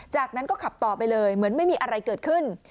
จากนั้นก็ขับต่อไปเลยเหมือนไม่มีอะไรเกิดขึ้น